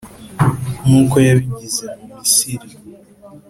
nk’uko yabigize mu Misiri.